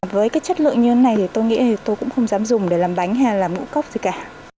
với cái chất lượng như thế này thì tôi nghĩ tôi cũng không dám dùng để làm bánh hay là mũ cốc gì cả